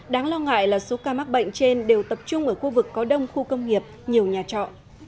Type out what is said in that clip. đáng lo ngại là số ca mắc bệnh trên đều tập trung ở khu vực có đông khu công nghiệp nhiều nhà trọ